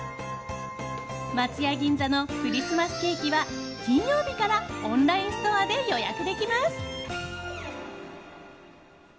松屋銀座のクリスマスケーキは金曜日からオンラインストアで予約できます。